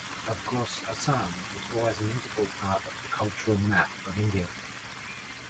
Of course Assam was always an integral part of the cultural map of India.